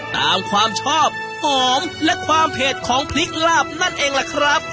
ตามความชอบหอมและความเผ็ดของพริกลาบนั่นเองล่ะครับ